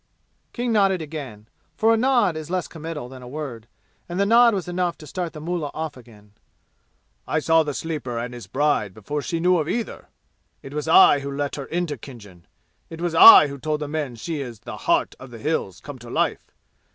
King nodded again, for a nod is less committal than a word; and the nod was enough to start the mullah off again. "I saw the Sleeper and his bride before she knew of either! It was I who let her into Khinjan! It was I who told the men she is the 'Heart of the Hills' come to life!